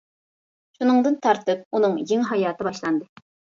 شۇنىڭدىن تارتىپ ئۇنىڭ يېڭى ھاياتى باشلاندى.